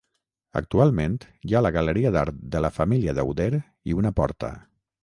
Actualment hi ha la galeria d'art de la família Dauder i una porta.